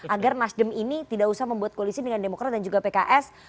agar nasdem ini tidak usah membuat koalisi dengan demokrat dan juga pks